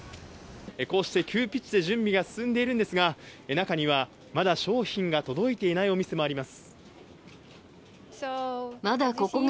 こうして急ピッチで準備が進んでいるんですが中には、まだ商品が届いていないお店もあります。